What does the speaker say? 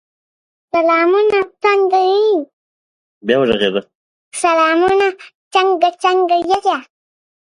A typical koch carried one square sail on one mast.